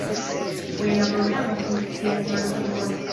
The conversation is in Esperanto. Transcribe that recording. Foje la programo funkcias malpli bone.